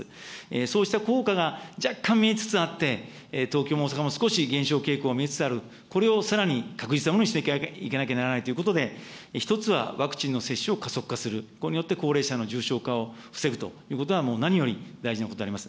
そうした効果が若干見えつつあって、東京も大阪も少し減少傾向が見えつつある、これをさらに確実なものにしていかなきゃならないということで、１つはワクチンの接種を加速化する、これによって高齢者の重症化を防ぐということはもう何より大事なことであります。